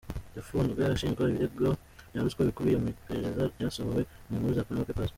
Yafunzwe ashinjwa ibirego bya ruswa bikubiye mu iperereza ryasohowe mu nkuru za Panama Papers.